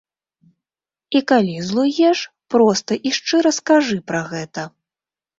І калі злуеш, проста і шчыра скажы пра гэта.